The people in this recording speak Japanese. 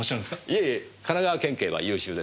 いえいえ神奈川県警は優秀です。